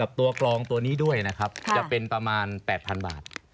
ตัวกลองตัวนี้ด้วยนะครับจะเป็นประมาณ๘๐๐๐บาท